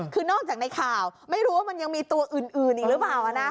คือนอกจากในข่าวไม่รู้ว่ามันยังมีตัวอื่นอีกหรือเปล่านะ